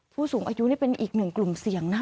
ผู้สูงอายุนี่เป็นอีกหนึ่งกลุ่มเสี่ยงนะ